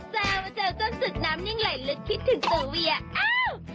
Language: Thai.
แจ๊วมาแจ๊วจ้ำจุดน้ำนิ่งไหลลึกคิดถึงตูเวียอ้าว